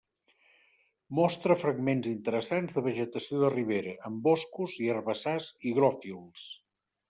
Mostra fragments interessants de vegetació de ribera, amb boscos i herbassars higròfils.